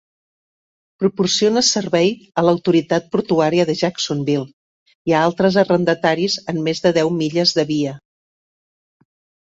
Proporciona servei a l'Autoritat Portuària de Jacksonville i a altres arrendataris amb més de deu milles de via.